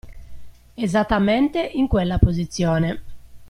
Esattamente in quella posizione.